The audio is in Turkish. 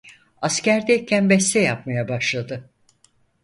Askerde iken beste yapmaya başladı.